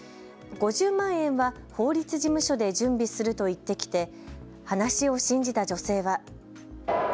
５０万円は法律事務所で準備すると言ってきて、話を信じた女性は。